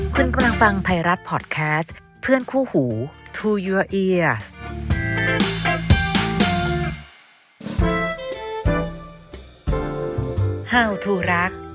คุณกำลังฟังไพรัสพอร์ดแคสต์เพื่อนคู่หูทูยัวอีเออร์สฮาวทูรัก